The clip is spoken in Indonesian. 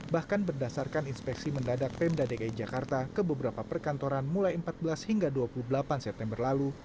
bahkan berdasarkan inspeksi mendadak pemda dki jakarta ke beberapa perkantoran mulai empat belas hingga dua puluh delapan september lalu